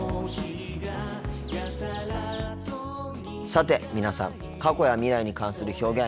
さて皆さん過去や未来に関する表現